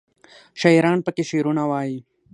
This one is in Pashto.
شاعران پکې شعرونه وايي.